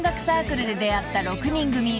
サークルで出会った６人組